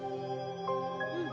うん。